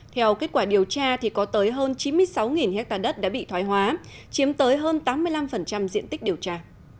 theo kết quả điều tra có tới hơn chín mươi sáu ha đất đã bị thoái hóa chiếm tới hơn tám mươi năm diện tích điều tra